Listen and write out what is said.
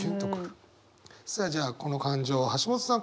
さあじゃあこの感情橋本さん